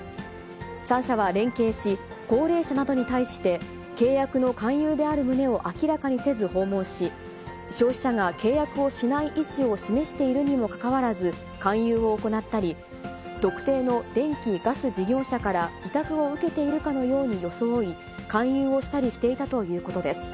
３社は連携し、高齢者などに対して、契約の勧誘である旨を明らかにせず訪問し、消費者が契約をしない意思を示しているにもかかわらず、勧誘を行ったり、特定の電気・ガス事業者から委託を受けているかのように装い、勧誘をしたりしていたということです。